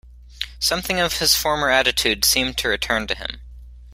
Something of his former attitude seemed to return to him.